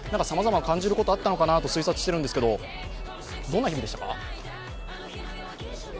さまざま感じることはあったかなと推察しているんですけどどんな日々でしたか。